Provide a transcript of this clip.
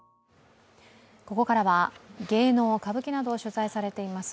ここからは芸能・歌舞伎などを取材されております